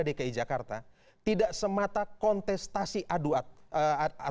dki jakarta tidak semata